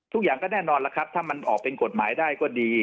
ทุกอย่างก็แน่นอนแล้วครับถ้ามันออกเป็นกฎหมายได้ก็ดี